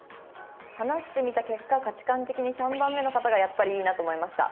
「話してみた結果価値観的に３番目の方がやっぱりいいなと思いました」。